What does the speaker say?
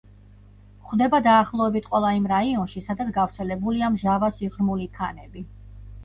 გვხვდება დაახლოებით ყველა იმ რაიონში, სადაც გავრცელებულია მჟავა სიღრმული ქანები.